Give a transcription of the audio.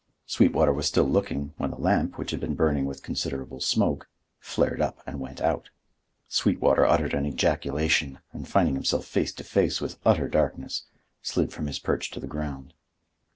Sweetwater was still looking, when the lamp, which had been burning with considerable smoke, flared up and went out. Sweetwater uttered an ejaculation, and, finding himself face to face with utter darkness, slid from his perch to the ground.